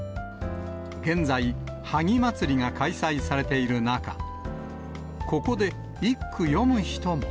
現在、萩まつりが開催されている中、ここで一句詠む人も。